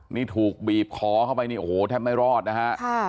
นี่ถูกบีบคอเข้าไปนี่โอ้โหแทบไม่รอดนะฮะ